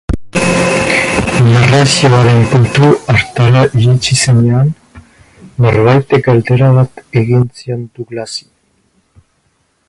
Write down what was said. Narrazioaren puntu hartara iritsi zenean, norbaitek galdera bat egin zion Douglasi.